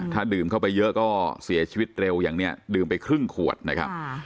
ถ้าดื่มเข้าไปเยอะก็เสียชีวิตเร็วอย่างนี้ดื่มไปครึ่งขวดนะครับ